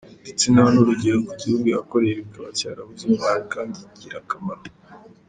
Ndetse nta n’urugero ku gihugu yakoreye kikaba cyarabuze intwari kandi ingirakamaro.